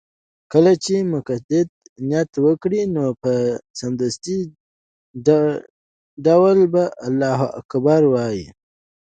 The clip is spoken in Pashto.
كله چې مقتدي نيت وكړ نو په سمدستي ډول به الله اكبر ووايي